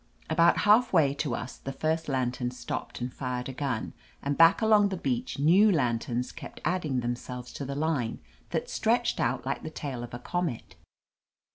About half way to us the first lantern stopped and fired a gun, and back along the beach new lanterns kept adding themselves to the line that stretched out like the tail of a comet.